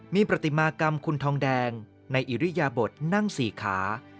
มีปฏิมากรรมคุณทองแดงในอิริยบทนั่ง๔ขา